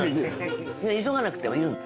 急がなくても。